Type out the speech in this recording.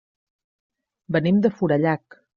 Venim de Forallac.